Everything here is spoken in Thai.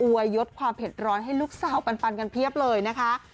วยยดความเผ็ดร้อนให้ลูกสาวปันกันเพียบเลยนะคะ